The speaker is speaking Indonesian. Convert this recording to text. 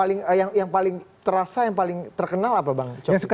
paling yang paling terasa yang paling terkenal apa bang coki